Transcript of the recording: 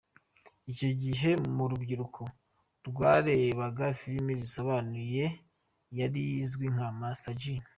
Icyo gihe mu rubyiruko rwarebaga film zisobanuye yari azwi nka Master J.